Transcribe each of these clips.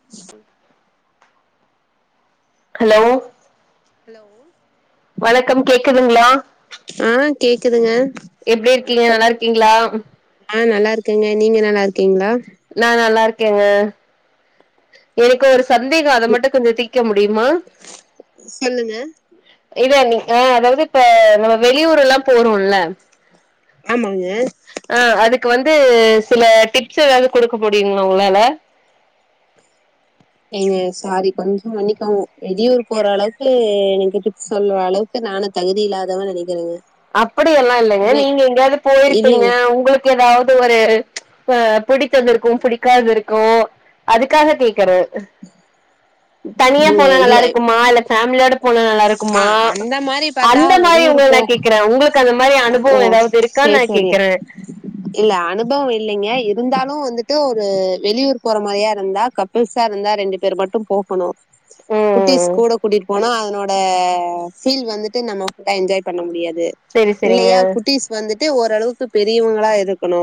[inaudible] Hello hello வணக்கம் கேக்குதுங்ளா ஆ கேக்குதுங்க எப்டி இருக்கீங்க வணக்கம் நல்லா இருக்கீங்ளா ஆ நல்லா இருக்கேங்க நீங்க நல்லா இருக்கீங்ளா நா நல்லா இருக்கேங்க எனக்கு ஒரு சந்தேகோ அத மட்டு கொஞ்சோ தீக்க முடியுமா சொல்லுங்க இத நீ ஆ அதாவது இப்ப நம்ம வெளியூர்லா போறோம்ல ஆமாங்க ஆ அதுக்கு வந்து சில டிப்ஸ் எதாவது குடுக்க முடியுமா உங்களால ஏங்க சாரி கொஞ்சோ மன்னிக்கவு வெளியூர் போற அளவுக்கு எனக்கு டிப்ஸ் சொல்ற அளவுக்கு நானு தகுதியில்லாதவனு நெனக்குறேங்க அப்படியெல்லா இல்லங்க நீங்க எங்கேயாவது போயிருப்பீங்க இல்லைங்க உங்களுக் ஏதாவது ஒரு பிடித்ததிருக்கு பிடிக்காதிருக்கு அதுக்காக கேக்குற தனியா நீங்க போனா இல்ல நல்லாருக்குமா இல்ல ஃபேமிலியோட போன நல்லா ஆ இருக்குமா அந்த மாரி பாத்தா அந்த மாரி வெளியூர் ஒங்கள போ நா கேக்குறே ஒங்களுக் அந்த மாரி ஓ அனுபவம் எதாவது இருக்கான்னு சேரி நா சேரி கேக்குறே இல்ல அனுபவம் இல்லங்க இருந்தாலு வந்துட்டு ஒரு வெளியூர் போற மாரியா இருந்தா கப்பல்ஸ்சா இருந்தா ரெண்டு பேர் மட்டும் போகணு குட்டிஸ் ம் கூட கூட்டிட்டு போனா அதனோட அந்த ஃபீல் வந்துட்டு நம்ம என்ஜாய் பண்ண முடியாது செரி செரிங்க இல்லையா குட்டிஸ் வந்துட்டு ஓரளவுக்கு பெரியவங்களா இருக்கனு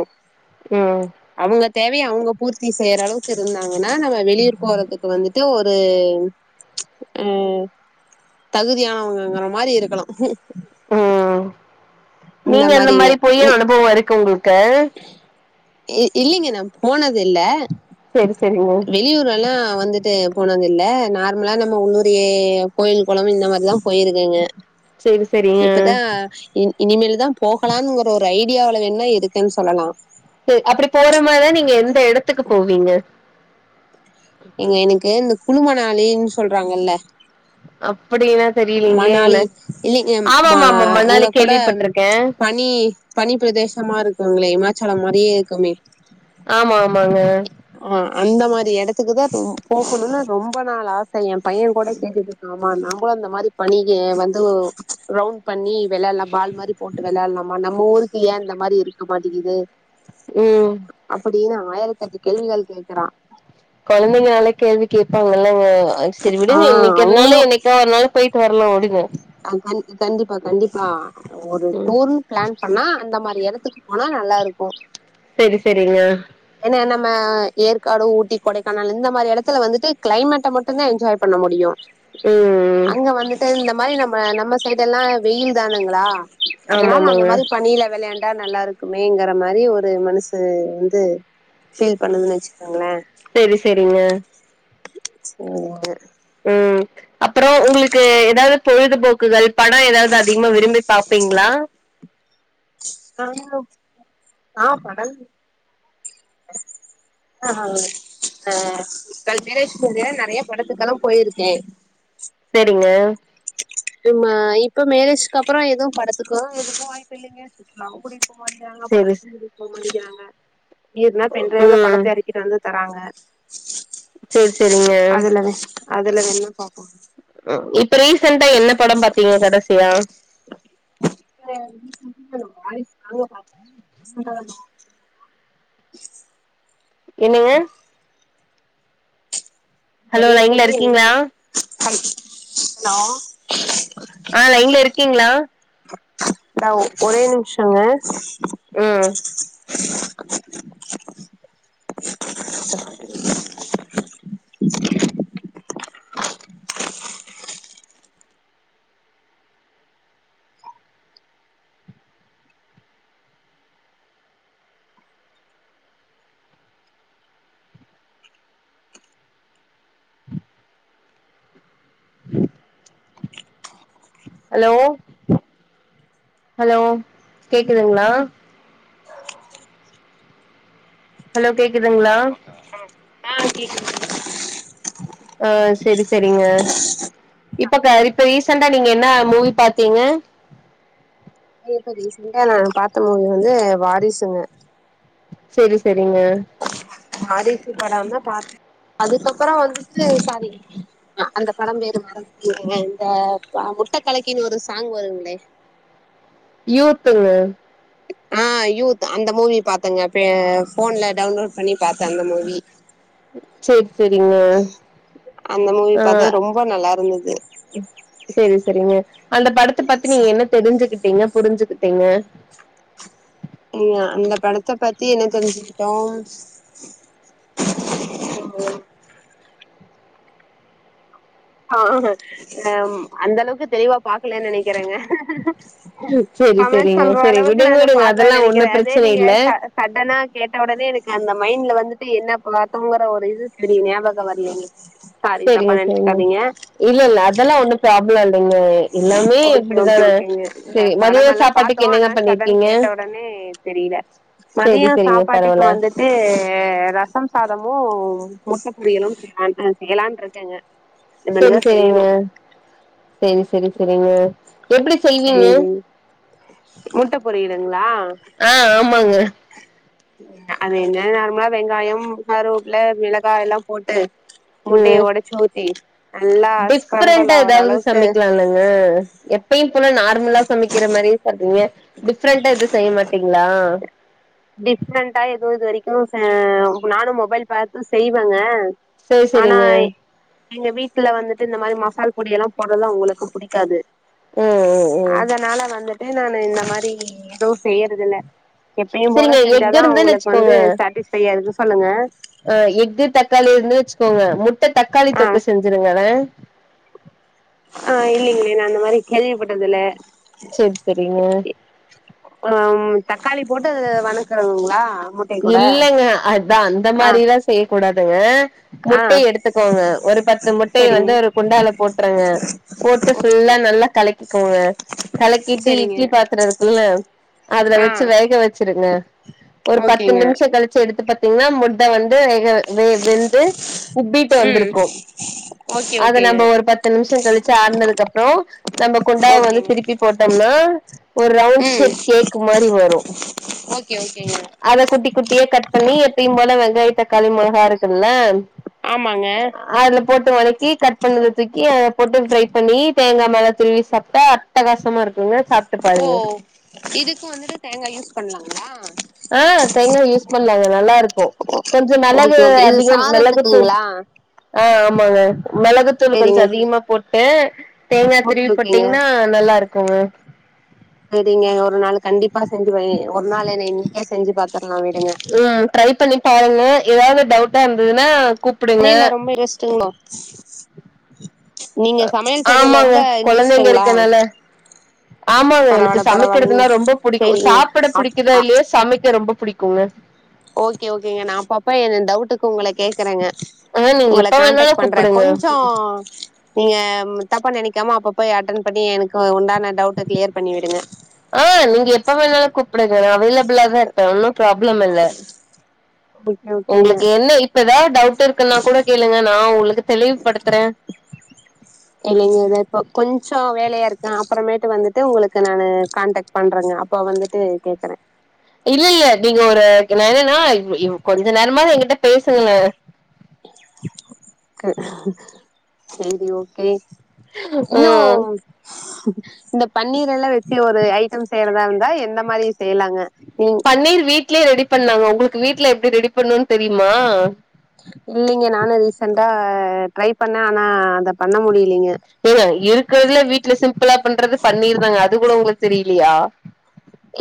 உம் அவுங்க தேவய அவுங்க பூர்த்தி செய்ற அளவுக்கு இருந்தாங்னா நம்ம வெளியூர் போறதுக்கு வந்துட்டு த்து ஒரு அ தகுதியானவங்கங்கற மாரி இருக்கனு ம் நீங்க அந்த மாதிரிங்க மாரி போயு இ- அனுபவோ இருக்கு உங்களுக்கு இ இல்லிங்க நா போனதில்ல செரி செரிங்க வெளியூரல்லா வந்துட் டு போனதில்ல நார்மலா நம்ம ஊரு கோயில் கொளம் இந்த மாரி ல போயிருக்கங்க செரி செரிங்க இப்பதா இனிமேல்தா போகலாம்ங்கிற ஒரு ஐ டியாவ்ல வேனா இருக்கேன் சொல்லலா சேர் அப்டி போற மாரினா நீங்க எந்த எடத்துக்கு போவீங்க இங்க எனக்கு இந்த குளுமணாளின் சொல்றாங்கல அப்டின்னா தெரியலீங்களே என்ன மணாளி இல்லிங் மா ஆமாமா ஆமா மணாலி அங்க கூட கேள்விப்பட்டிருக்கே பனி பனிபிரதேசமா இருக்குங்ளே இமாச்சலம் மாரியே இருக்குமே ஆமா ஆமாங்க ஆ அந்த மாரி எடத்துக்குதா இப்ப போகணுனு ரொம்ப நாள் ஆச எ பைய கூட கேட்டுட்டு இருக்கா மா நம்பளும் இந்த மாதிரி பனிக்கு வந்து ரவுண்ட் பண்ணி வெளாலா பால் மாரி போட்டு வெளாலாமா நம்ம ஊருக்கு ஏ இந்த மாரி இருக்க மாட்டிங்குது. ம் அப்படினு ஆயிரத்தெட்டு கேள்விகள் கேக்கறா கொழந்தைங்கனாலே கேள்வி கேப்பாங்கலங்க அ செரி ஆ விடுங்க இன்னைக்கி அவங்களும் இல்லனாலு என்னைக் கா ஒருநாள் போயிட்டு வரலா உடுங்க அ கண் கண்டிப்பா கண்டிப்பா ஒரு ம் டூரு ப்ளான் பண்ணா அந்த மாரி எடத்துக்கு போனா நல்லாருக்கு செரி செரிங்க ஏனா நம்ம ஏற்காடு ஊட்டி கொடைக்கானல் இந்த மாரி எடத்துல வந்துட்டு க்ளைமேட்ட மட்டுந்தா என்ஜாய் பண்ண முடியு ம் அங்க வந்துட்டு. இந்த மாரி நம்ம நம்ம சைடு எல்லா வெயில் தானுங்களா ஆமா அதனால, அந்த ஆமாங்க மாரி பனியில விளையாண்டா நல்லாருக் இருக்குமேங்கற மாரி ஒரு மனசு வந்து ஃபீல் பண்ணதுன் வெச்சுக்கோங்களே செரி செரிங்க சரிங்க ம் அப்பறொ உங்ளுக்கு எதாவது பொழுதுபோக்குகள் படொ, எதாவது அதிகமா விரும்பி பாப்பீங்களா ஆ ஆஹ், படம் ஆ ஆ கல் மேரேஜ் முன்னாடி நறைய படத்துக்கெல்லா போயிருக்கே செரிங்க. ஆமா இப்ப மேரேஜ்க்கு அப்பறொ எதுவு படத்துக்கோ எதுக்கு வாய்ப்பு இல்லிங்க. ணாவு கூட்டிட்டு போ மாட்டிகிறாங்க செரி படத்துக்கு கூட்டிட்டு போ மாட்டிகிறாங்க ஏத்னா பென்ட்ரைவ்ல ம் படத்த எத்துட் வந்து தராங்க செரி செரிங்க அதுல அதுல வேணா பாப்பாங்க. இப்ப ரீசன்டா என்ன படொ பாத்தீங்க கடைசியா இப்ப [unintelligible] வாரிசு தாங்க பாத்த சூப்பரா இந்துச்சி உஷ்.. என்னங்க. ஹலோ லைன்ல இருக்கீங்ளா ஹல் ஹலோ ஆ லைன்ல இருக்கீங்ளா இந்தா ஒரே நிம்ஷொங்க உ ஷ் ஷ்.. ஷ் ச.. ஹலோ ஹலோ கேக்குதுங்களா ஹலோ கேக்குதுங்களா ஆ கேக்குதுங்க ஆ செரி செரிங்க இப்பக்க இப்ப ரீசண்டா நீங்க என்ன மூவி பாத்தீங்க இப்ப ரீசெண்டா நா பாத்த மூவி வந்து வாரிசுங்க சேரி செரிங்க வாரிசு படோ தா பாத்தே அதுக்கப்புறோ வந்துட்டு சாரி அந்த படோ பேரு மறந்துட்டனேங்க இந்த முட்டக் கலக்கின்னு ஒரு சாங் வருங்களே யூத்துங்க ஆ யூத் அந்த மூவி பாத்தேங்க பே ஃபோன்ல டவுன்லோட் பண்ணி பாத்தே அந்த மூவி சேர் செரிங்க ஆ யூத்து சேரி செரிங்க அந்த படத்த பத்தி நீங்க என்ன தெரிஞ்சுக்கிட்டீங்க புரிஞ்சுக்கிட்டீங்க அந்த படத்த பத்தி என்ன தெரிஞ்சுக்கிட்டோ ஆ அ அந்த அளவுக்கு தெளிவா பாக்கலன்னு நெனைக்கிறேங்க செரி கமெண்ட் செரிங்க சொல்ற செரி அளவுக்கு விடுங்க நானு விடுங்க பக்கலேனு அதெல்லா ஒன்னு நெனைக்கிறே அதே பிரச்சன நீங்க இல்ல சடெனா கேட்ட உடனே எனக்கு அந்த மைண்ட்ல வந்துட்டு என்ன பாத்தோங்குற ஒரு இது செரி ஞாபகோ வர்லீங்க சேரிங்க சேரிங்க இல்ல இல்ல அதெல்லா ஒண்ணு ப்ராப்ளோ இல்லைங்க எல்லாமே ஓகே இப்டி ஓகே தான ஓகேங்க இல்ல சேரி மதிய சாப்பாட்டுக்கு என்னங்க பண்ணிருக்கீங்க ஒடனே தெரியல செரி மதியோ செரிங்க சாப்பாட்டுக்கு பரவால்ல வந்துட்டு ரசம் சாதமு முட்டப் பொறியலு ஆ செய்யலான்ட்டு இருக்கேங்க சேரி இனிமேல்தா செரிங்க செய்யணு சேரி செரி செரிங்க எப்டி செய்வீங்க செய்விங்க முட்ட பொறியலுங்களா ஆ ஆமாங்க அ அது என்ன நார்மலா வெங்காயோ கருவப்லல மிளகாய்லா போட்டு முட்டையை ம் ஒடச்சு ஊத்தி நல்லா ஸ்க்ரம்பலாகுர அளவுக்கு ஆ எப்பயு போல நார்மலா சமைக்கிற மாரி டிஃப்ரெண்டா எது சொய்ய மாட்டீங்களா டிஃப்ரெண்டா எது இது வரைக்கு ஆ நானு மொபைல் பாத்து செய்வேங்க செரி ஆனா செரிங்க எங்க வீட்டுல வந்துட்டு இந்த மாரி மசால் பொடியெல்லா போட்றதுலா அவுங்களுக்கு புடிக்காது ம் ம் ம் அதனால வந்துட்டு நானு இந்த மாரி எதுவு செய்யறது இல்ல எப்பயு போல செரிங்க எக் செஞ்சாதா இருந்துன்னு அவுங்களுக்கு வந்து வச்சுக்கோங்க சேட்டிஸ்ஃபையா இருக்கு சொல்லுங்க ஆ எஃகு தக்காளி இருந்து வச்சுக்கோங்க முட்ட தக்காளி ஆ தொக்க செஞ்சுருங்க ஆ இல்லைங்களே நா அந்த மாரி கேள்விப்பட்டதுல்ல சேர் செரிங்க ம் தக்காளி போட்டு அத வனக்குறதுங்களா இல்லங்க அதா அந்த மாரிலா செய்யக் கூடாதுங்க ஆ முட்டைய எடுத்துக்கோங்க ஒரு பத்து முட்டய சரிங்க வந்து ஒரு குண்டால போட்டுருங்க போட்டு ஃபுல்லா ஓகேங்க நல்லா கலக்கி க்கோங்க கலக்கிட்டு சரிங்க இட்லி பாத்திர இருக்குல்ல அதுல ஆ வெச்சு வேக வெச்சிருங்க ஒரு பத் ஓகேங்க கழிச்சு எடுத்து பாத்தீங்கன்னா முட்ட வந்து வெக வெ வெந்து உப்பீட்டு ம் வந்திருக்கு ஓகே அத ஓகேங்க நம்ப ஒரு பத்து நிம்ஷோ கழிச்சு ஆற்னதுக்கப்றோ நம்ம குண்டாவ வந்து ஓகேங்க திருப்பி போட்டம்னா ஒரு ரவ்ண்ட் ம் ஷேப் கேக் மாரி வரு ஓகே ஓகேங்க அத குட்டி குட்டியா கட் பண்ணி எப்பையும் போல வெங்காயோ தக்காளி மொள கா இருக்குல்ல ஆமாங்க அதுல போட்டு வதக்கி கட் பண்ணத தூக்கி அதுல போட்டு ஃப்ரை பண்ணி தேங்கா மேல துருவி சாப்ட்டா அட்டகாசமா இருக்குங்க சாப்ட்டு ஓ பாருங்க இதுக்கு வந்துட்டு தேங்காய் யூஸ் பண்ணலாங்ளா ஆ தேங்காய யூஸ் பண்ணலாங்க நல்லாருக்கு ஓ கொஞ்ச மெளகு ஓகே ஓகே இது அதிகம் மெளகுத்தூள் சாதத்துக்குங்களா ஆ ஆமாங்க மெளகுத்தூள் கொஞ்ச சேரிங்க அதிகமா போட்டு தேங்கா ஓகே திருவி ஓகேங்க போட்டீங்ன்னா நல்லாருக்குங்க செரிங்க ஒரு நாள் கண்டிப்பா செஞ்சு வே ஒரு நாள் என்ன இன்னைக்கே செஞ்சு பாத்தர்லா விடுங்க ம் ட்ரை பண்ணி பாருங்க எதாவ்து டவுட்டா இருந்ததுன்னா கூ ஆனா என்ன ரொம்ப யோசிச்சிங்ளோ நீங்க சமையல் செய்றதுல ஆமாங்க ரொம்ப கொழந்தைங்க இன்ட்ரெஸ்ட்டுங்ளா இருக்கனால ஆமாங்க எனக்கு சமைக்கிறதுனா ரொம்ப புடிக்கு சேரிங்க சாப்புட அப் புடிக்குதோ அ இல்லியோ சமைக்க ரொம்ப புடிக்குங்க ஓகே ஓகேங்க நா அப்பப்ப என் டவுட்டுக்கு உங்கள கேக்குறங்க ஆ நீங்க உங்கள எப்ப கான்டாக்ட் வேணாலும் பண்றே கூப்பிடுங்க. கொஞ்சோ நீங்க தப்பா நெனைக்காம அப்பப்ப அட்டன் பண்ணி எனக்கு உண்டான டவுட்ட க்ளியர் பண்ணி விடுங்க ஆ நீங்க எப்ப வேணாலு கூப்புடுங்க நா அவைலபிளா தா இருப் பே ஒன்னு ப்ராப்ளம் இல்ல ஓகே ஓகேங்க உங்ளுக்கு என்ன இப் இப்ப எதாவ் டவுட் இருக்குன்னா கூட கேளுங்க நா உங்ளுக் தெளிவுப்படுத்துறே இல்லைங்க த இப்போ கொஞ்சோ வேலையா இருக்கே அப்பறமேட்டு வந்துட்டு உங்களுக்கு நானு கான்டாக்ட் பண்றங்க அப்ப வந்துட்டு கேக்குறே இல்லல்ல நீங்க ஒரு நா என்னன்னா வ் வ் கொஞ்ச நேரமாது எங்கிட்ட பேசுங்களே க்கு செரி ஓகே இன்னும் ம். இந்த பன்னீர் எல்லா வெச்சு ஒரு ஐட்டம் செய்யறதா இருந்தா எந்த மாரி செய்லாங்க நீ பண்ணீர் வீட்லயே ரெடி பண்லாங்க உங்களுக்கு வீட்ல எப்டி ரெடி பண்ணுன் தெரியுமா இல்லிங்க நானு ரீசன்டா ட்ரை பண்ணே ஆனா அத பண்ண முடியலிங்க ஏங்க இருக்குறதுலயே வீட்ல சிம்பிளா பண்றது பன்னீர் தாங்க அது கூட உங்களுக் தெரியிலியா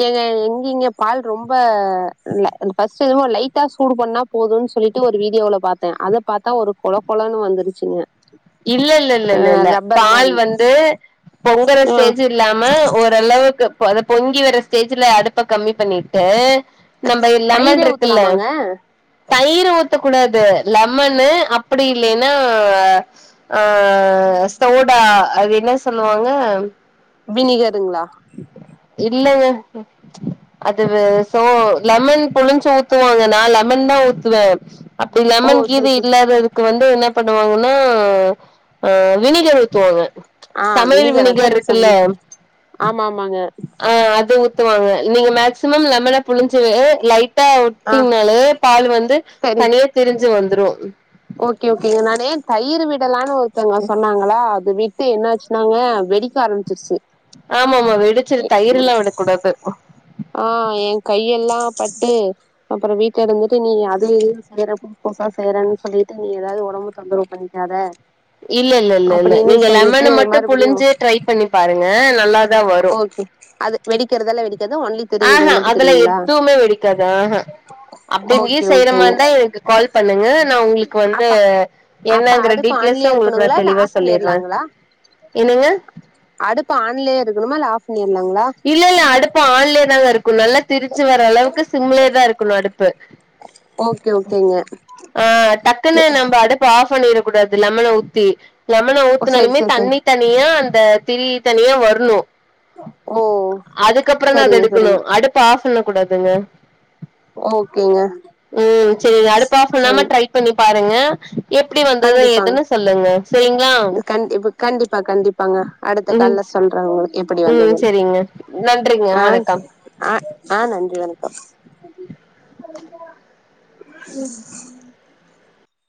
ஏங்க எங்கிங்க பால் ரொம்ப இல்ல ஃபஸ்ட்டு என்னமோ லைட்டா சூடு பண்ணா போதுன் சொல்லீட்டு ஒரு வீடியோல பாத்தே அத பாத்தா ஒரு கொழ கொழனு வந்துருச்சுங்க இல்ல இல்ல இல்ல இல்ல அஹ் இல்ல ரப்பர் பால் மாரி வந்து பொங்கற ஆ ஸ்டேஜு இல்லாம ஓரளவுக்கு பத பொங்கி வர ஸ்டேஜ்ல அடுப்ப கம்மி பண்ணீட்டு நம்ப தயிரே லெமன்ட்ருக்குல்ல ஊத்தலாமாங்க தயிர ஊத்தக்கூடாது லெமனு அப்பிடி இல்லைனா அ சோடா அது என்ன சொல்லுவாங்க வினிகருங்ளா இல்லங்க அது வெ சோ லெமன் புழுஞ்சு ஊத்துவாங்க நா லெமன் தா ஊத்துவே அப்டி ஓ லெமன் கீது செரி செரி இல்லாதது கு வந்து என்ன பண்ணுவாங்கனா ஆ வினிகர் ஊத்துவாங்க ஆ சமையல் அதா வினிகர் நா இருக்கு இல்ல சொன்னே ஆமா ஆமாங்க ஆ அத ஊத்துவாங்க நீங்க மேக்சிமம் லெமன புழுஞ்சு லைட் ட்டா ஆ உட்டிங்னாலே பாலு வந்து சரி தனியா திரிஞ்சு வந்துரு ஓகே ஓகேங்க நானு தயிரு விடலான்னு ஒருத்தங்க சொன்னாங்களா அது விட் த்து என்னாச்சுனாங்க வெடிக்க ஆரம்பிச்சிருச்சு ஆமா ஆமா வெடிச்சுரு தயிர் எல்லா விட கூடாது ஆ ஏ கையெல்லா பட்டு அப்பறொ வீட்ல இருந்துட்டு நீ அத இத செய்யறப்போ புதுசா செய்றன்னு சொல்லிட்டு நீ எதாது ஒடம்ப தொந்தரவு பண்ணிக்காத இல்ல இல்ல இல்ல இல்ல அப்படின்னு நீங்க சொல்லிட்டு லெமன மட்டு மறுபடியு புழுஞ்சு ட்ரை பண்ணிப் பாருங்க நல்லாதா வரு ஓகே அது வெடிக்கெறதெல்லா வெடிக்காது வன்லி ஆஹா அதெல்லா எதுவுமே வெடிக்காது ஆஹா அப்டி இங்க்யே ஓகே செய்ற மாரி ஓகேங்க இருந்தா எனக்கு கால் பண்ணுங்க நா உங்குளுக்கு வந்து அப்பா அப்ப என்னங்கற அடுப்பு டீட்டெய்ல்ஸ ஆன்லயா உங்களுக்கு நா இருக்கணுங்களா இல்ல தெளிவா ஆஃப் சொல்லீற்ற பண்ணிர்லாங்களா என்னங்க அடுப்பு ஆன்லயே இருக்கணுமா இல்ல ஆஃப் பண்ணீர்லாங்களா இல்ல இல்ல அடுப்பு ஆன்லயே தாங்க இருக் கு நல்லா திரிச்சு வர அளவுக்கு சிம்லயே தா இருக்கணு அடுப்பு ஓகே ஓகேங்க ஆ டக்குன்னு நம்ம அடுப்ப ஆஃப் பண்ணிர கூடாது லெமன ஊத்தி லெமன ஓ செரி ஊத்துனாலுமே செரி செரி தண்ணி தனியா அந்த திரி தனியா வர்ணு ஓ அதுக்கப்பறொ தா அத செரிங்க எடுக்கனு செரிங்க அடுப்ப ஆஃப் பண்ண கூடாதுங்க ஓகேங்க ம் செரி அடுப்ப ஆஃப் செரி பண்ணாம ட்ரை பண்ணி பாருங்க எப்டி வந்துது கண்டிப்பாங்க எதுன்னு சொல்லுங்க செரிங்ளாவ் கண் இப்ப கண்டிப்பா கண்டிப்பாங்க அடுத்த கால்ல சொல்றா உங்க எப்படி வந்ததுனு செரிங்க நன்றிங்க வணக்கம் அ ஆ நன்றி வணக்கம்